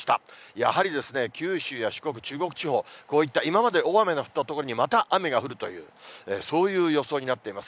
やはり、九州や四国、中国地方、こういった今まで大雨が降った所にまた雨が降るという、そういう予想になっています。